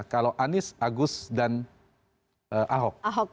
kalau anies agus dan ahok